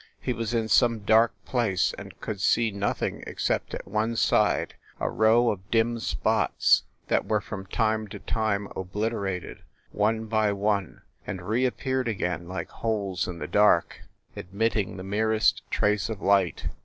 He was in some dark place, and could see nothing except at one side a row of dim spots that were from time to time obliterated, one by one, and reappeared again like holes in the dark, admitting the merest trace of light.